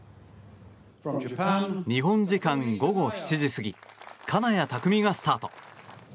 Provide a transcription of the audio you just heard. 日本時間午後７時過ぎ金谷拓実がスタート。